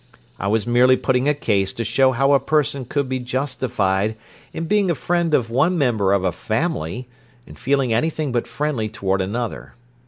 "I was merely putting a case to show how a person would be justified in being a friend of one member of a family, and feeling anything but friendly toward another.